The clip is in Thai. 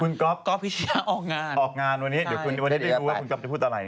คุณก๊อฟก๊อฟพิชยาออกงานออกงานวันนี้เดี๋ยวคุณวันนี้ได้รู้ว่าคุณก๊อปจะพูดอะไร